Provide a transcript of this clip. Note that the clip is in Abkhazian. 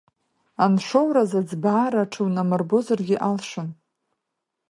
Аншоураз аӡбаара аҽунамырбозаргьы алшон.